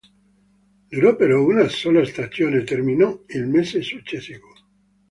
Durò però una sola stagione e terminò il mese successivo.